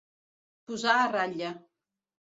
Posar a ratlla.